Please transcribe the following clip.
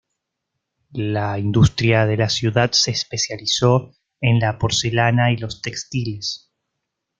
La industria de la ciudad se especializó en la porcelana y los textiles.